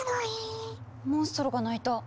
モンストロが鳴いた。